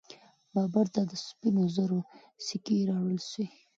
بابر ته د سپینو زرو سکې راوړل سوې.